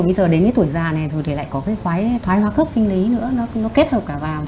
rồi bây giờ đến tuổi già này thì lại có thoái hoa khớp sinh lý nữa nó kết hợp cả vào